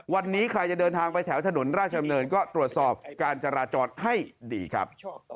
วันนี้ใครจะเดินทางไปแถวถนนราชดำเนินก็ตรวจสอบการจราจรให้ดีครับ